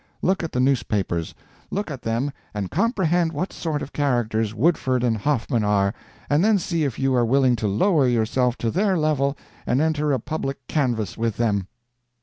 Look at the newspapers—look at them and comprehend what sort of characters Woodford and Hoffman are, and then see if you are willing to lower yourself to their level and enter a public canvass with them.